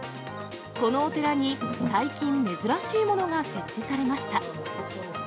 このお寺に最近珍しいものが設置されました。